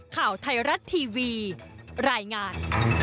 ข่าวไทยรัฐทีวีรายงาน